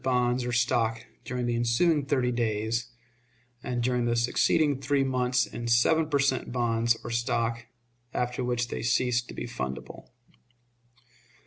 bonds or stock during the ensuing thirty days, and during the succeeding three months in seven per cent. bonds or stock, after which they ceased to be fundable.